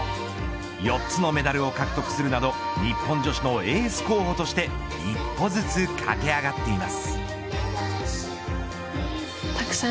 ４つのメダルを獲得するなど日本女子のエース候補として一歩ずつ駆け上がっています。